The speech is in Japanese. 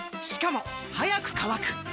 しかも速く乾く！